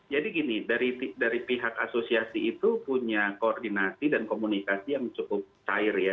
jadi gini dari pihak asosiasi itu punya koordinasi dan komunikasi yang cukup cair ya